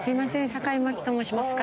坂井真紀と申しますが。